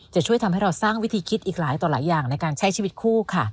จะช่วยทำให้เราสร้างวิธีคิดอีกหลายต่อหลายอย่างในการใช้ชีวิตคู่ค่ะ